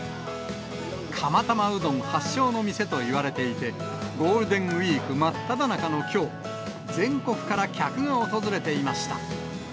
釜玉うどん発祥の店といわれていて、ゴールデンウィーク真っただ中のきょう、全国から客が訪れていました。